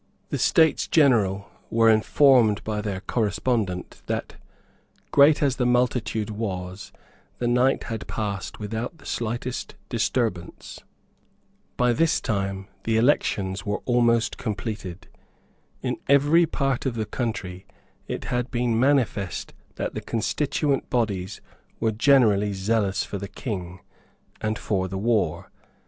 The States General were informed by their correspondent that, great as the multitude was, the night had passed without the slightest disturbance. By this time the elections were almost completed. In every part of the country it had been manifest that the constituent bodies were generally zealous for the King and for the war.